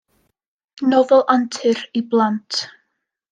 Nofel antur i blant.